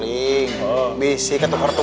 ini satu kelapa